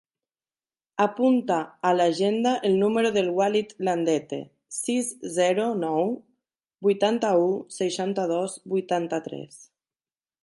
Apunta a l'agenda el número del Walid Landete: sis, zero, nou, vuitanta-u, seixanta-dos, vuitanta-tres.